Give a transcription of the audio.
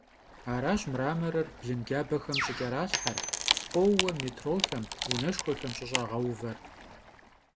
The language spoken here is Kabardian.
Araş mramorır blıncabexem ş'ıç'eralhher, pkhoue mêtroxem, vuneşşxuexem ş'ış'ağeuver.